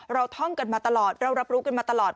ท่องกันมาตลอดเรารับรู้กันมาตลอด